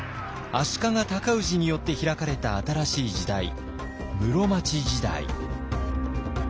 足利尊氏によって開かれた新しい時代室町時代。